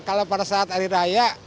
kalau pada saat hari raya